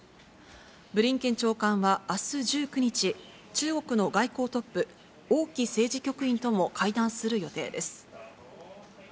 ブリンケン長官はあす１９日、中国の外交トップ、王毅政治局員とも会談する予定です。